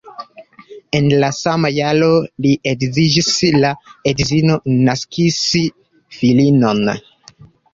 En la sama jaro li edziĝis, la edzino naskis filinon.